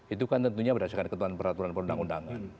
itu kan tentunya berdasarkan peraturan perundangan undangan